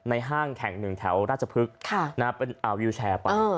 ในห้างแข่งหนึ่งแถวราชภึกวิวแชร์ไป